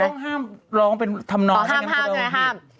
ต้องห้ามร้องเป็นธรรมน้อยห้ามหน่อยห้าม